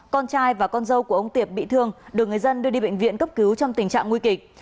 con trai và con dâu của ông tiệp bị thương được người dân đưa đi bệnh viện cấp cứu trong tình trạng nguy kịch